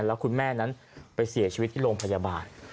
แล้วคุณแม่นั้นไปเสียชีวิตที่โรงพยาบาล